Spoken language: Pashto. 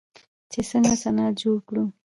چې څنګه صنعت جوړ کړو.